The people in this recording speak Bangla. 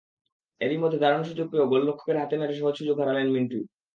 এরই মধ্যে দারুণ সুযোগ পেয়েও গোলরক্ষকের হাতে মেরে সহজ সুযোগ হারালেন মিন্টু।